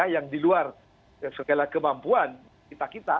yang di luar segala kemampuan kita kita